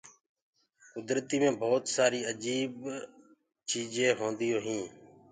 ڪُدرتي مي ڀوت سآري اجيب چيجينٚ هونديونٚ هينٚ۔